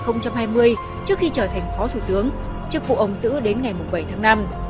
trước khi trở thành phó thủ tướng trước vụ ông giữ đến ngày bảy tháng năm